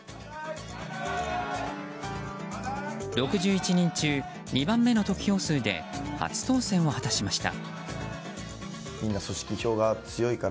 ６１人中２番目の得票数で初当選を果たしました。